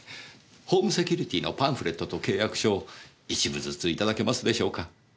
ホームセキュリティーのパンフレットと契約書を１部ずつ頂けますでしょうか？